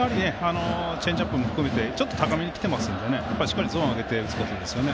チェンジアップも含めてちょっと高めにきているのでしっかりゾーン上げて打つことですね。